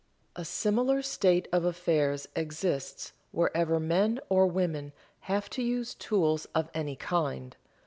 A similar state of affairs exists wherever men or women have to use tools of any kind.